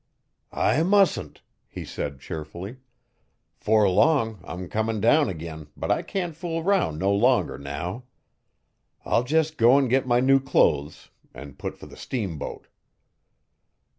'I mus'n't,' he said cheerfully.' 'Fore long I'm comin' down ag'in but I can't fool 'round no longer now. I'll jes'go n git my new clothes and put fer the steamboat.